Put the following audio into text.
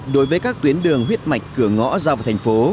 đối với các tuyến đường huyết mạch cửa ngõ ra vào thành phố